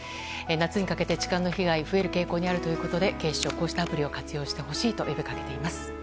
夏にかけて痴漢の被害増える傾向にあるということで警視庁、こうしたアプリを活用してほしいと呼びかけています。